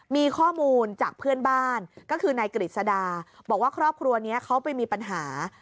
มีข้อมูลจากเพื่อนบ้านก็คือนายกฤษดาบอกว่าครอบครัวนี้เขาไปมีปัญหา